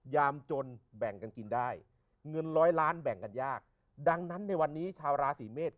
ยามจนแบ่งกันกินได้เงินร้อยล้านแบ่งกันยากดังนั้นในวันนี้ชาวราศีเมษ